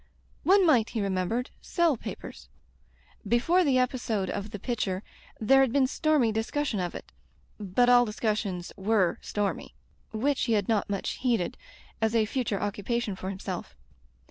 One might, he remembered, sell papers. Before the epi sode of the pitcher diere had been stormy discussion of it (but all discussions were [71 Digitized by LjOOQ IC Interventions Stormy), which he had not much heeded, as a future occupation for himself.